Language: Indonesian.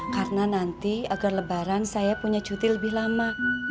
karena nanti agar lebaran saya punya cuti lebih lama